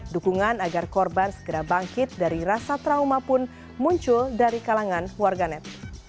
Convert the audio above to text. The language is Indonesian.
dukungan agar korban segera bangkit dari rasa trauma pun muncul dari kalangan warganet